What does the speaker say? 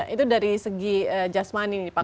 itu dari segi just money pak